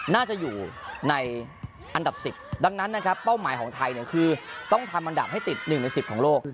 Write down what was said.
น่าจะอยู่ในอันดับ๑๐ดังนั้นนะครับเป้าหมายของไทยเนี่ยคือต้องทำอันดับให้ติด๑ใน๑๐ของโลก